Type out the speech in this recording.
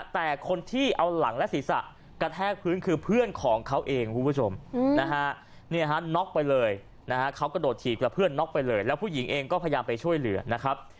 แต่คนที่เอาหลังและศีรษะกระแทกพื้นคือเพื่อนของเขาเองคุณผู้ชมนะฮะน็อกไปเลยนะฮะเขากระโดดถีบกับเพื่อนน็อกไปเลยแล้วผู้หญิงเองก็พยายามไปช่วยเหลือนะครับ